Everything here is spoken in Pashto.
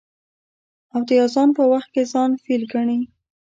او د اذان په وخت کې ځان فيل گڼي.